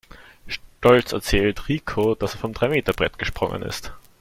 Stolz erzählt Rico, dass er vom Dreimeterbrett gesprungen ist.